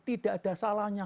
tidak ada salahnya